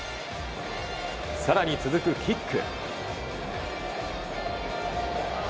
更に続くキック。